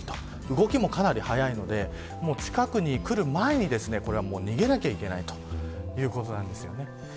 動きもかなり速いので近くに来る前に逃げなきゃいけないということなんですよね。